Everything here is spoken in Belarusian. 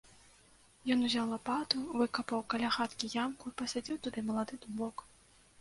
Ён узяў лапату, выкапаў каля хаткі ямку і пасадзіў туды малады дубок.